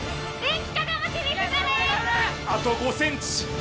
あと５ｃｍ。